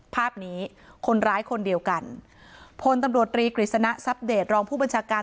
ภาพคนร้ายคนเดียวกันผลตำรวจฏรีกริษณะรองผู้บัญชาการ